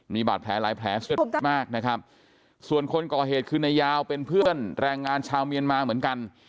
มีบาดแผลหลายแผลสะดุดมากนะครับส่วนคนก่อเหตุคือนายยาวเป็นเพื่อนแรงงานชาวเมียนมาเหมือนกัน